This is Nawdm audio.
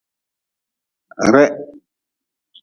Reh.